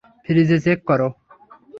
ফ্রিজে, চেক করো।